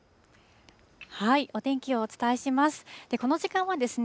お天気をお伝えします。